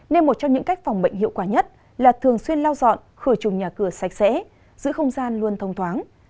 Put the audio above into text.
nên một trong những cách phòng bệnh hiệu quả nhất là thường xuyên lau dọn khử trùng nhà cửa sạch sẽ giữ không gian luôn thông thoáng